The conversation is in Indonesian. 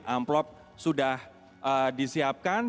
amplop sudah disiapkan